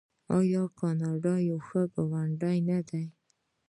آیا کاناډا یو ښه ګاونډی نه دی؟